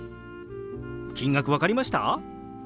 金額分かりました？